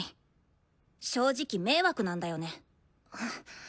正直迷惑なんだよね。